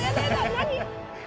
何？